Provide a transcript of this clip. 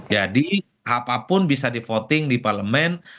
jadi apapun bisa di voting di parlement